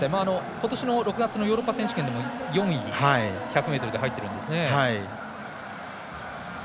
ことしの６月のヨーロッパ選手権でも４位に１００ｍで入っているんですね。